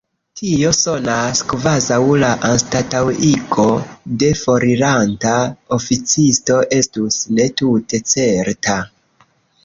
Tio sonas, kvazaŭ la anstataŭigo de foriranta oficisto estus ne tute certa.